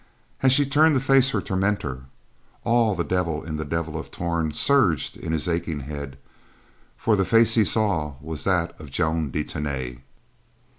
As she turned to face her tormentor, all the devil in the Devil of Torn surged in his aching head, for the face he saw was that of Joan de Tany.